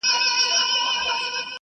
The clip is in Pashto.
• لا یې نه وه وزرونه غوړولي -